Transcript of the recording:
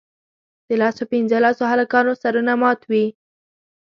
د لسو پینځلسو هلکانو سرونه مات وي.